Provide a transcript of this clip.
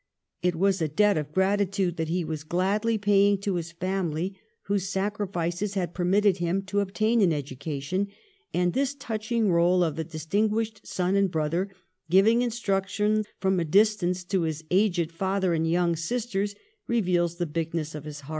It was a debt of gratitude that he was gladly paying to his family, whose sacrifices had permitted him to obtain an education, and this touching role of the distinguished son and brother giving instruction from a distance to his aged father and young sisters reveals the bigness of his heart.